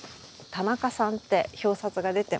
田中さんって表札が出てます。